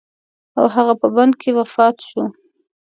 او هغه په بند کې وفات شو.